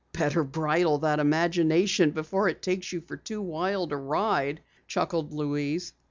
"Better bridle that imagination before it takes you for too wild a ride," chuckled Louise.